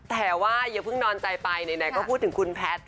แต่ว่าอย่าเพิ่งนอนใจไปไหนก็พูดถึงคุณแพทย์